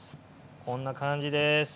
こんな感じです。